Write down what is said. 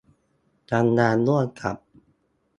ทำงานร่วมกับ